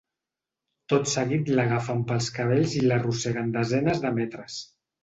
Tot seguit l’agafen pels cabells i l’arrosseguen desenes de metres.